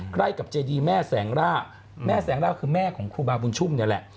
ใกล้กับเจดีแม่แสงร่าแม่แสงร่าคือแม่ของครูบาบุญชุ่มนี่แหละ